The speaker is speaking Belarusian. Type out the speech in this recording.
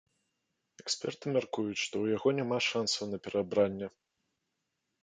Эксперты мяркуюць, што ў яго няма шанцаў на пераабранне.